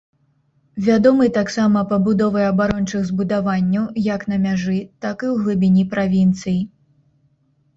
Вядомы таксама пабудовай абарончых збудаванняў як на мяжы, так і ў глыбіні правінцый.